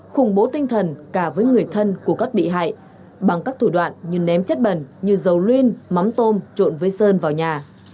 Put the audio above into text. khủng bố tinh thần cả với người thân của các bị hại bằng các thủ đoạn như ném chất bẩn như dầu luyên mắm tôm trộn với sơn vào nhà